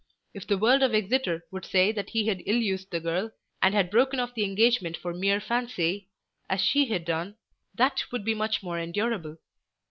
If the world of Exeter would say that he had ill used the girl, and had broken off the engagement for mere fancy, as she had done, that would be much more endurable.